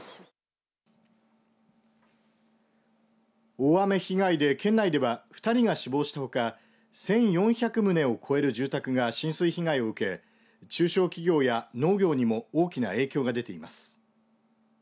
大雨被害で県内では２人が死亡したほか１４００棟を超える住宅が浸水被害を受け中小企業や農業にも大きな影響が出ています。